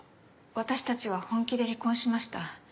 私たちは本気で離婚しました。